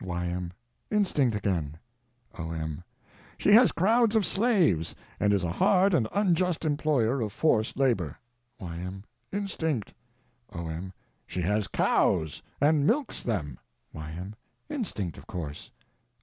Y.M. Instinct again. O.M. She has crowds of slaves, and is a hard and unjust employer of forced labor. Y.M. Instinct. O.M. She has cows, and milks them. Y.M. Instinct, of course.